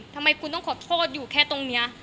ทำไมคุณต้องขอโทษอยู่แค่ตรงนี้